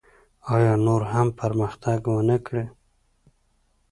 آیا نور هم پرمختګ ونکړي؟